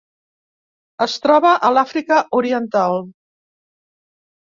Es troba a l'Àfrica Oriental.